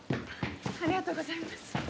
ありがとうございます。